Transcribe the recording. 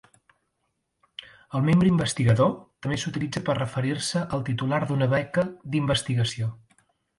El membre investigador, també s'utilitza per referir-se al titular d'una beca d'investigació.